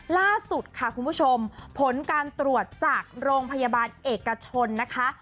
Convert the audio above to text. ล่าสุดค่ะคุณผู้ชมผลการตรวจจากโรงพยาบาลเอกชนนะคะ